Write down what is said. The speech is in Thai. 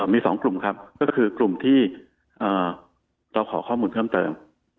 มี๒กลุ่มครับก็คือกลุ่มที่เราขอข้อมูลเพิ่มเติม